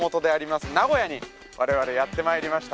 名古屋に我々やって参りました。